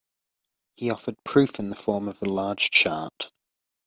He offered proof in the form of a large chart.